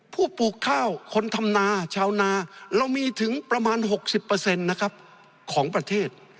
ปลูกข้าวคนทำนาชาวนาเรามีถึงประมาณ๖๐นะครับของประเทศ